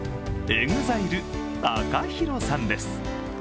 ＥＸＩＬＥＴＡＫＡＨＩＲＯさんです。